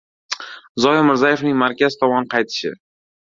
Zoyir Mirzayevning markaz tomon qaytishi.